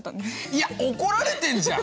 いや怒られてんじゃん！